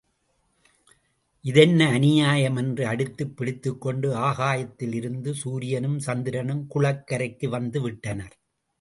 இதென்ன அநியாயம் என்று அடித்துப் பிடித்துக்கொண்டு ஆகாயத்தில் இருந்து சூரியனும் சந்திரனும் குளக்கரைக்கு வந்து விட்டனர்.